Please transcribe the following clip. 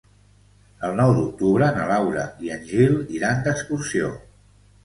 El nou d'octubre na Laura i en Gil iran d'excursió.